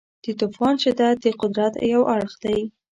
د طوفان شدت د قدرت یو اړخ دی.